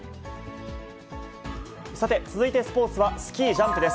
さて、続いてスポーツはスキージャンプです。